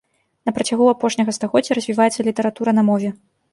На працягу апошняга стагоддзя развіваецца літаратура на мове.